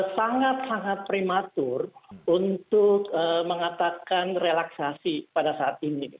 sangat sangat prematur untuk mengatakan relaksasi pada saat ini